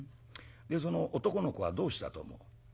でその男の子はどうしたと思う？」。